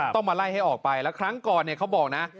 ต้องมาไล่ให้ออกไปแล้วครั้งก่อนเนี่ยเขาบอกนะ